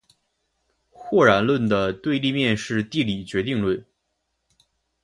或然论的对立面是地理决定论。